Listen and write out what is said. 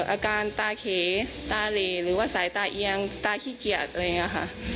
อาการตาเขตาเหลหรือว่าสายตาเอียงตาขี้เกียจอะไรอย่างนี้ค่ะ